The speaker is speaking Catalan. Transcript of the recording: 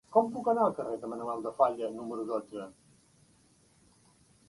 Com puc anar al carrer de Manuel de Falla número dotze?